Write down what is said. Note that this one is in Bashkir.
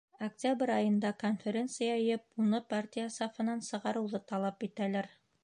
Октябрь айында конференция йыйып, уны партия сафынан сығарыуҙы талап итәләр.